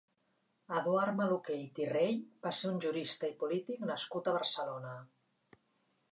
Eduard Maluquer i Tirrell va ser un jurista i polític nascut a Barcelona.